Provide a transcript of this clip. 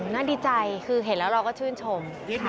น่าดีใจคือเห็นแล้วเราก็ชื่นชม